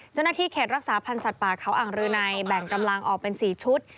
เจ้าหน้าที่เขตรักษาพันธ์สัตว์ป่าเขาอ่างรืนัยแบ่งกำลังออกเป็น๔ชุด